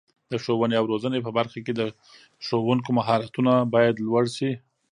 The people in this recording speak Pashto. د ښوونې او روزنې په برخه کې د ښوونکو مهارتونه باید لوړ شي.